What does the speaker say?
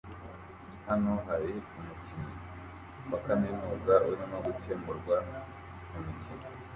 Hano hari umukinnyi wa kaminuza urimo gukemurwa mumikino